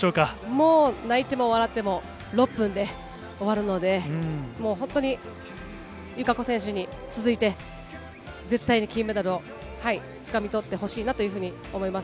もう泣いても笑っても６分で終わるので、もう本当に友香子選手に続いて、絶対に金メダルをつかみ取ってほしいなというふうに思います。